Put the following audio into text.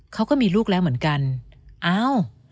เขาก็มีลูกแล้วเหมือนกันอ้าว